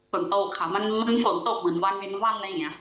ฝนตกค่ะมันฝนตกเหมือนวันเป็นวันอะไรอย่างนี้